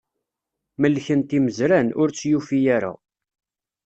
Mellken-t imezran, ur tt-yufi ara.